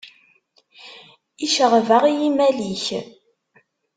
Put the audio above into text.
Iceɣɣeb-aɣ yimal-ik.